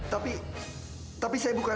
tapi tapi saya bukan